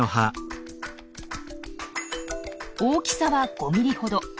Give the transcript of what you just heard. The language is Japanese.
大きさは５ミリほど。